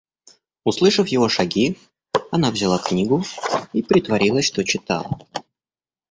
Услышав его шаги, она взяла книгу и притворилась, что читала.